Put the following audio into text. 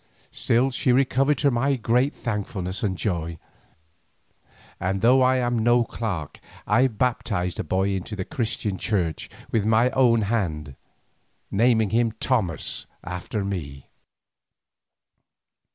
Still she recovered to my great thankfulness and joy, and though I am no clerk I baptized the boy into the Christian Church with my own hand, naming him Thomas after me.